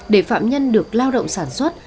để phạm nhân được lao động sản xuất